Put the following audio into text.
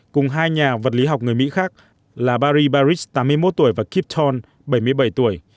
cùng hai nhà vật lý học người mỹ khác là barry baric tám mươi một tuổi và kip thorne bảy mươi bảy tuổi